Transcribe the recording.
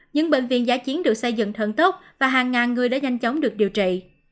những bệnh viện giả chiến được xây dựng thận tốt và hàng ngàn người đã nhanh chóng được điều trị